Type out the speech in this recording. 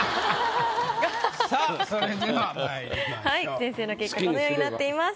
先生の結果このようになっています。